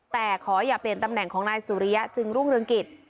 แต่ขออย่าเปลี่ยนตำแหน่งของนายสุริยะจึงรุ่งเรืองกิจ